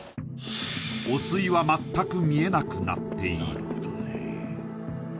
汚水は全く見えなくなっている